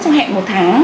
xong hẹn một tháng